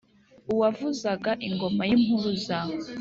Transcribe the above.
uwavuzaga ingoma y'impuruza